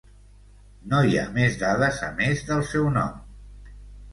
No hi ha més dades a més del seu nom.